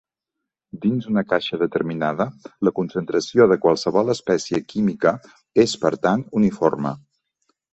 Dins una caixa determinada, la concentració de qualsevol espècie química és, per tant, uniforme.